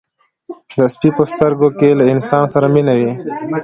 د سپي په سترګو کې له انسان سره مینه وه.